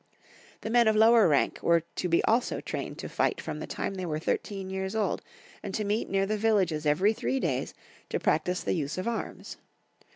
The men, of lower rank were to be also trained to fight from the time they were thirteen years old, and to meet near the villages every three days to practise the use of arms.